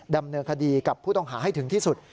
ดำเนินคดีกับผู้ต้องหาให้ถึงที่สุด